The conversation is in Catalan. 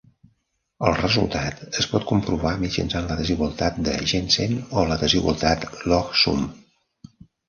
El resultat es pot comprovar mitjançant la desigualtat de Jensen o la desigualtat log sum.